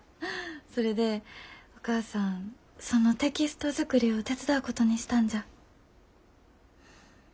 それでお母さんそのテキストづくりを手伝うことにしたんじゃ。